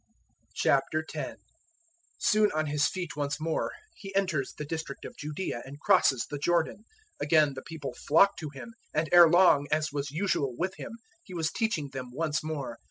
010:001 Soon on His feet once more, He enters the district of Judaea and crosses the Jordan: again the people flock to Him, and ere long, as was usual with Him, He was teaching them once more.